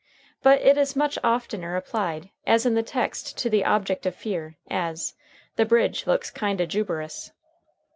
But it is much oftener applied as in the text to the object of fear, as "The bridge looks kind o' juberous."